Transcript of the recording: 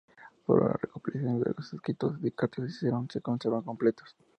Solo las recopilaciones de los escritos y cartas de Cicerón se conservan completas.